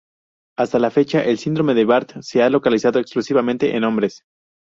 Hasta la fecha, el síndrome de Barth se ha localizado exclusivamente en hombres.